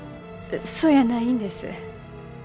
あそやないんです。